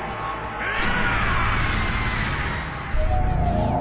えっ！？